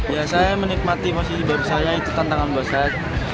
ya saya menikmati posisi baru saya itu tantangan buat saya